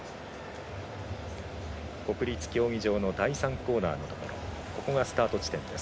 国立競技場の第３コーナーのところここがスタート地点です。